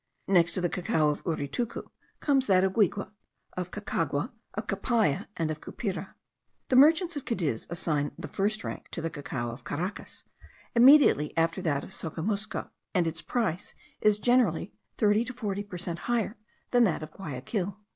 Next to the cacao of Uritucu comes that of Guigue, of Caucagua, of Capaya, and of Cupira. The merchants of Cadiz assign the first rank to the cacao of Caracas, immediately after that of Socomusco; and its price is generally from thirty to forty per cent higher than that of Guayaquil.